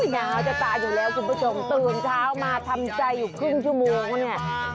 หนาวจะตายอยู่แล้วคุณผู้ชมตื่นเช้ามาทำใจอยู่ครึ่งชั่วโมงเนี่ย